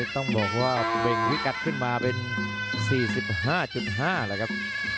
ต้องบอกว่าเว่งผิกัดออกมาเป็น๔๕๕ครับ